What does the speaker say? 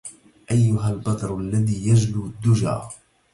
أيها البدر الذي يجلو الدجا